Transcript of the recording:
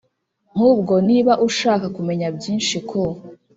nk ubwo niba ushaka kumenya byinshi ku